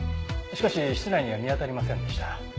しかし室内には見当たりませんでした。